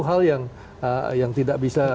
hal yang tidak bisa